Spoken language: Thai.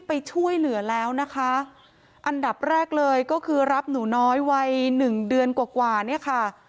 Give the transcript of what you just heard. ไปช่วยเหลือแล้วนะคะอันดับแรกเลยก็คือรับหนูน้อยวัยหนึ่งเดือนกว่ากว่าเนี่ยค่ะ